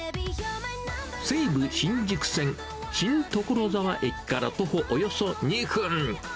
西武新宿線新所沢駅から徒歩およそ２分。